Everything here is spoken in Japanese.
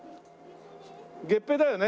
月餅だよね？